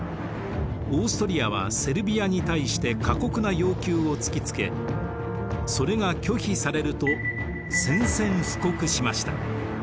オーストリアはセルビアに対して過酷な要求を突きつけそれが拒否されると宣戦布告しました。